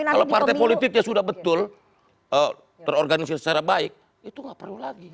kalau partai politiknya sudah betul terorganisir secara baik itu nggak perlu lagi